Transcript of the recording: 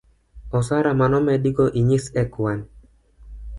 osara manomedi go inyis ekwan